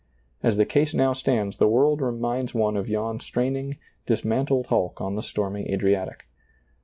As the case now stands the world re minds one of yon straining, dismantled hulk on the stormy Adriatic.